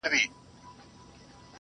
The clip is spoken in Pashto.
چې بیا نسل نسل درته یاد کړو